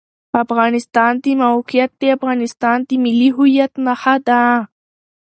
د افغانستان د موقعیت د افغانستان د ملي هویت نښه ده.